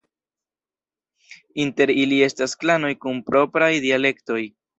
Inter ili estas klanoj kun propraj dialektoj.